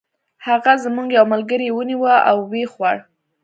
هغه زموږ یو ملګری ونیوه او و یې خوړ.